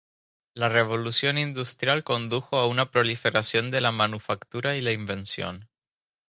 La Revolución Industrial condujo a una proliferación de la manufactura y la invención.